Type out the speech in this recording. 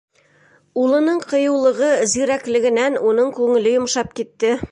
Улының ҡыйыулығы, зирәклегенән уның күңеле йомшап китте.